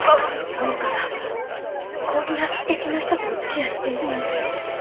穂香がこんなすてきな人とお付き合いしているなんて